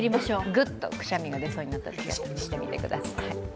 グッと、くしゃみが出そうになったときは押してみてください。